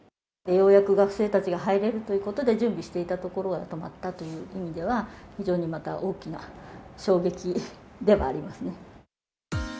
ようやく学生たちが入れるというところで、準備していたところが止まったという意味では、非常にまた大きな衝撃ではありますね。